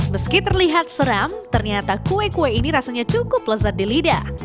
meski terlihat seram ternyata kue kue ini rasanya cukup lezat di lidah